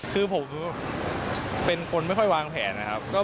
คือผมเป็นคนไม่ค่อยวางแผนนะครับ